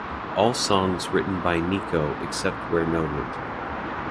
All songs written by Nico except where noted.